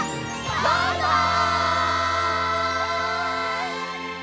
バイバイ！